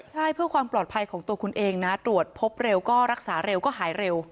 ใช่เพื่อความปลอดภัยของตัวคุณเองนะตรวจพบเร็วก็รักษาเร็วก็หายเร็ว